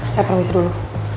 saya permisi dulu